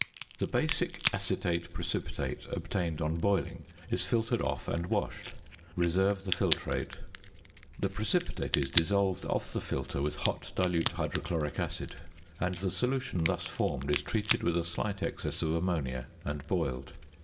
The basic acetate precipitate obtained on boiling is filtered off and washed. Reserve the filtrate. The precipitate is dissolved off the filter with hot dilute hydrochloric acid; and the solution thus formed is treated with a slight excess of ammonia, and boiled.